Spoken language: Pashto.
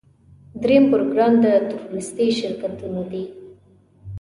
دریم پروګرام د تورېستي شرکتونو دی.